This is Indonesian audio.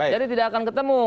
jadi tidak akan ketemu